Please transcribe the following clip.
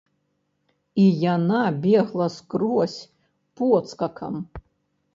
І яна бегла скрозь подскакам.